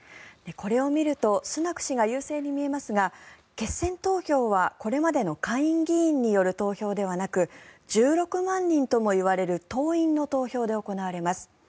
これを見るとスナク氏が優勢に見えますが決選投票は、これまでの下院議員による投票ではなく１６万人ともいわれる党員の投票で行われます。